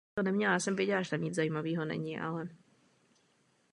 Jeho úkolem bylo sledovat extrémně energetické procesy ve vesmíru.